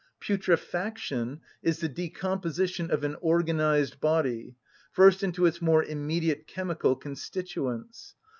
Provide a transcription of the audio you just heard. Putrefaction is the decomposition of an organised body, first into its more immediate chemical constituents.